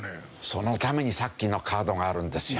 そのためにさっきのカードがあるんですよ。